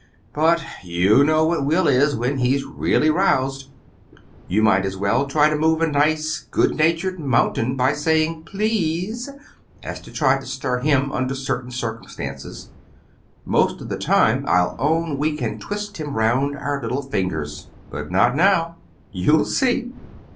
But you know what Will is when he's really roused. You might as well try to move a nice good natured mountain by saying 'please,' as to try to stir him under certain circumstances. Most of the time, I'll own, we can twist him around our little fingers. But not now. You'll see.